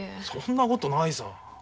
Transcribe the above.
そんなことないさ。